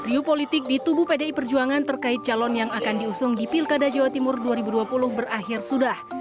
riuh politik di tubuh pdi perjuangan terkait calon yang akan diusung di pilkada jawa timur dua ribu dua puluh berakhir sudah